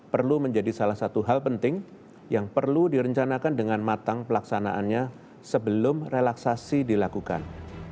perlu menjadi salah satu hal penting yang perlu direncanakan dengan matang pelaksanaannya sebelum relaksasi dilakukan